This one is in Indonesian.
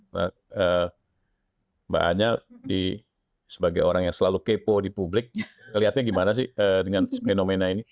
mbak anya sebagai orang yang selalu kepo di publik melihatnya gimana sih dengan fenomena ini